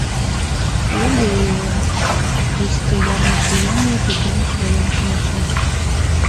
— Туге-е, — Костя ярныше еҥла пӱкеныш волен шинче.